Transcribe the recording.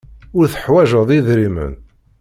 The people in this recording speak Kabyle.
Ur teḥwajeḍ idrimen.